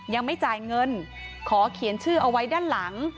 ยังไม่จ่ายเงินขอเขียนชื่อเอาไว้ด้านหลัง